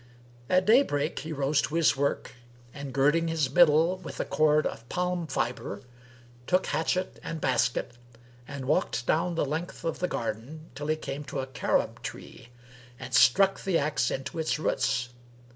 At daybreak he rose to his work and, girding his middle with a cord of palm fibre, took hatchet and basket and walked down the length of the garden, till he came to a carob tree and struck the axe into its roots.